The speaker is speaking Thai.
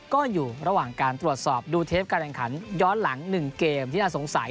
ก็อยู่ระหว่างการตรวจสอบดูเทปการแข่งขันย้อนหลัง๑เกมที่น่าสงสัย